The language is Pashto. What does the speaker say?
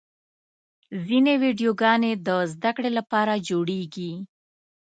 ځینې ویډیوګانې د زدهکړې لپاره جوړېږي.